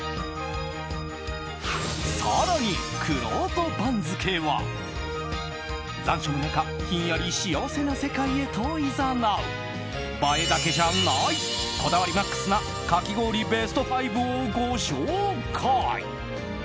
更に、くろうと番付は残暑の中ひんやり幸せな世界へといざなう映えだけじゃないこだわりマックスなかき氷ベスト５をご紹介。